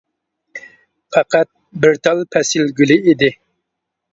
پەقەت بىر تال پەسىل گۈلى ئىدى.